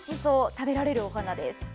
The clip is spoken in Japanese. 食べられるお花です。